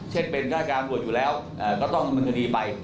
เช่นเป็นฆ่าการตัวอยู่แล้วก็ต้องมีคดีไป